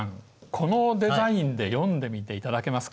このデザインで読んでみていただけますか？